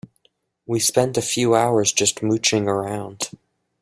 We spent a few hours just mooching around.